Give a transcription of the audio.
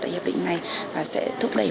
tại hiệp định này và sẽ thúc đẩy